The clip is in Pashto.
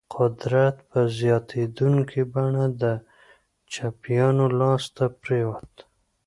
قدرت په زیاتېدونکي بڼه د چپیانو لاس ته پرېوت.